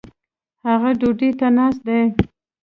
هغه ډوډي ته ناست دي